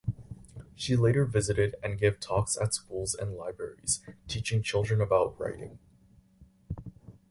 She later visited and gave talks at schools and libraries, teaching children about writing.